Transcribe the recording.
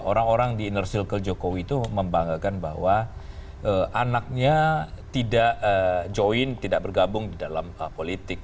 orang orang di inner circle jokowi itu membanggakan bahwa anaknya tidak join tidak bergabung di dalam politik